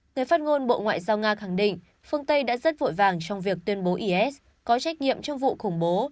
người phát ngôn bộ ngoại giao nga khẳng định phương tây đã rất vội vàng trong việc tuyên bố is có trách nhiệm trong vụ khủng bố